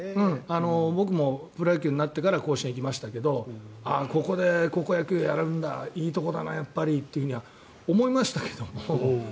僕もプロ野球になってから甲子園に行きましたけどここで高校球児やるんだいいところだなやっぱりというのは思いましたけども。